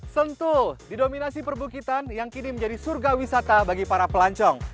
sentul didominasi perbukitan yang kini menjadi surga wisata bagi para pelancong